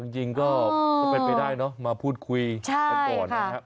จริงก็เป็นไปได้เนอะมาพูดคุยกันก่อนนะครับ